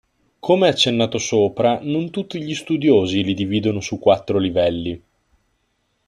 Come accennato sopra non tutti gli studiosi li dividono su quattro livelli.